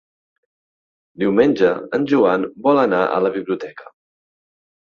Diumenge en Joan vol anar a la biblioteca.